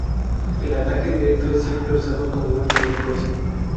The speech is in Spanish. El ataque directo es siempre usado como último recurso.